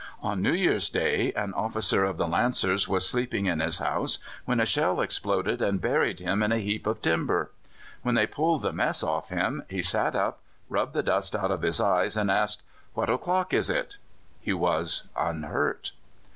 On New Year's Day an officer of the Lancers was sleeping in his house, when a shell exploded and buried him in a heap of timber. When they pulled the mess off him, he sat up, rubbed the dust out of his eyes, and asked, "What o'clock is it?" He was unhurt.